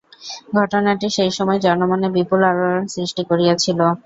ঘটনাটি সেই সময় জনমনে বিপুল আলোড়ন সৃষ্টি করিয়াছিল।